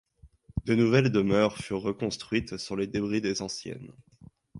De nouvelles demeures furent reconstruites sur les débris des anciennes.